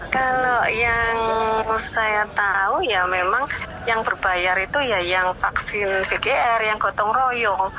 kalau yang saya tahu ya memang yang berbayar itu ya yang vaksin vgr yang gotong royong